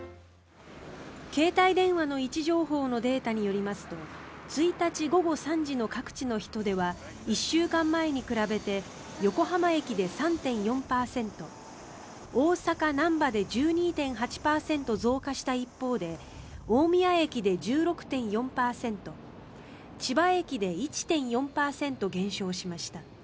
携帯電話の位置情報のデータによりますと１日午後３時の各地の人出は１週間前に比べて横浜駅で３．４％大阪・なんばで１２．８％増加した一方で大宮駅で１６．４％千葉駅で１．４％減少しました。